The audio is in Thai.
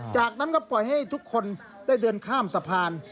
จากนั้นก็ปล่อยให้ทุกคนได้เดินข้ามสะพาน